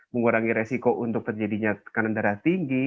mengurangi resiko untuk terjadinya tekanan darah tinggi